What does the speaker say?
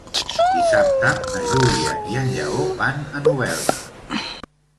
Dissabte na Júlia i en Lleó van a Novelda.